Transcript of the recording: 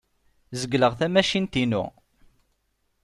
Zegleɣ tamacint-inu.